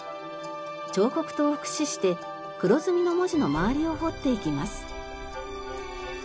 彫刻刀を駆使して黒墨の文字の周りを彫っていきます。